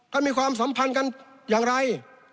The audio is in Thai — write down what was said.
มีความสัมพันธ์กันอย่างไร